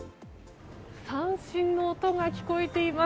三味線の音が聞こえています。